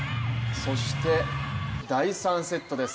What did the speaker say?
そして、第３セットです。